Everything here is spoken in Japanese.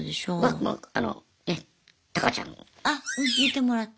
もうあのねタカちゃん。に見てもらって。